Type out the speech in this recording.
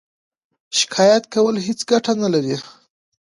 شکایت کول هیڅ ګټه نلري.